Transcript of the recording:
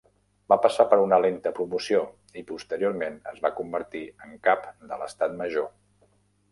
Va passar per una lenta promoció i, posteriorment, es va convertir en Cap de l"Estat Major.